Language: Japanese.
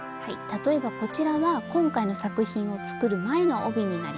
例えばこちらは今回の作品を作る前の帯になります。